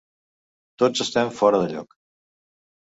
Tots estem fora de lloc.